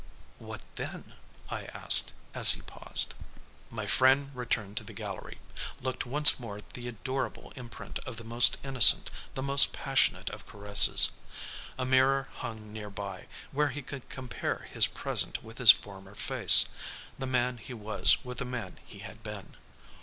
"What then?" I asked, as he paused. "My friend returned to the gallery, looked once more at the adorable imprint of the most innocent, the most passionate of caresses. A mirror hung near by, where he could compare his present with his former face, the man he was with the man he had been.